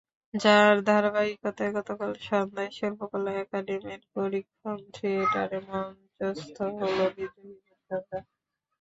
যার ধারাবাহিকতায় গতকাল সন্ধ্যায় শিল্পকলা একাডেমির পরীক্ষণ থিয়েটারে মঞ্চস্থ হলো বিদ্রোহী বুড়িগঙ্গা।